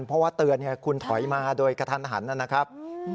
เพราะว่าเตือนคุณถอยมาโดยกระทันหันนะครับ